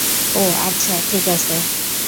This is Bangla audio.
ওহ, আচ্ছা ঠিক আছে।